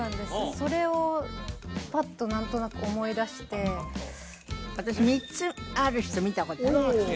それをパッと何となく思い出して私３つある人見たことあります